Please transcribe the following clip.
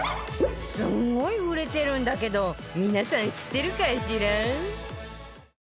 すんごい売れてるんだけど皆さん知ってるかしら？